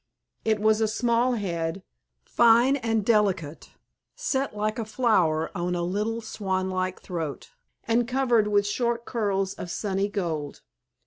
It was a small head, fine and delicate, set like a flower on a little swan like throat, and covered with short curls of sunny gold.